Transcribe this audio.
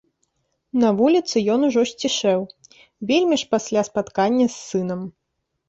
На вуліцы ён ужо сцішэў, вельмі ж пасля спаткання з сынам.